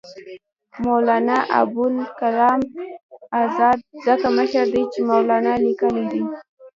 مولنا ابوالکلام آزاد ځکه مشر دی چې مولنا لیکلی دی.